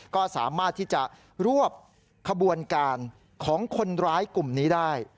ก็สามารถที่จะรวบขบวนการของคนร้ายกลุ่มนี้ได้